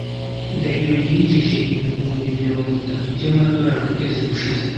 Ndahiro yinjije ibihumbi mirongo itatu byamadorari ukwezi gushize.